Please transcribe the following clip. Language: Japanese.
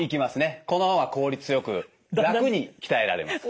この方が効率よく楽に鍛えられます。